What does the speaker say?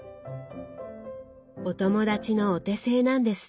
お友達のお手製なんですって。